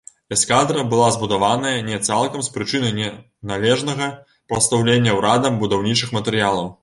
Эскадра была збудаваная не цалкам з прычыны неналежнага прадастаўлення урадам будаўнічых матэрыялаў.